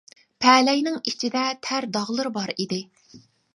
پەلەينىڭ ئىچىدە تەر داغلىرى بار ئىدى.